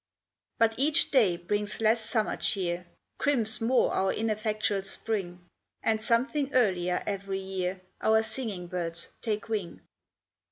But each day brings less summer cheer, Crimps more our ineffectual spring, And something earlier every year Our singing birds take wing.